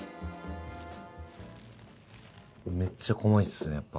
めっちゃ細いっすねやっぱ。